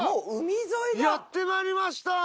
やってまいりました！